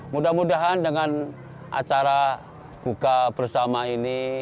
mudah mudahan dengan acara buka bersama ini